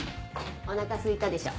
おなかすいたでしょ？